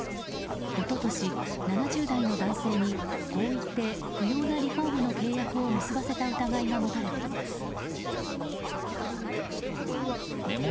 一昨年、７０代の男性にこう言って不要なリフォームの契約を結ばせた疑いが持たれています。